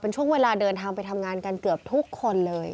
ช่วงเวลาเดินทางไปทำงานกันเกือบทุกคนเลย